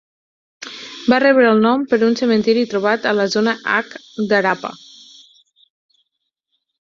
Va rebre el nom per un cementiri trobat a la "zona H" d'Harappa.